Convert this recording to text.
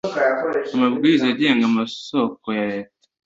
amabwiriza agenga amasoko ya Leta